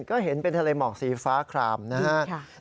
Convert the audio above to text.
ก็เห็นเป็นทะเลหมอกสีฟ้าคลามนะครับ